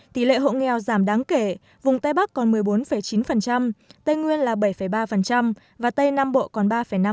tỷ lệ hộ nghèo giảm đáng kể vùng tây bắc còn một mươi bốn chín tây nguyên là bảy ba và tây nam bộ còn ba năm